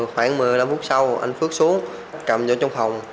khoảng một mươi năm phút sau anh phước xuống cầm giữa trong phòng